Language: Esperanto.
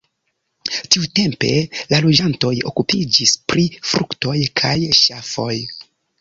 Tiutempe la loĝantoj okupiĝis pri fruktoj kaj ŝafoj.